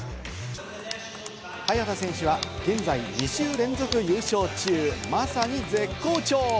早田選手は現在、２週連続優勝中、まさに絶好調！